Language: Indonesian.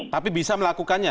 tapi bisa melakukannya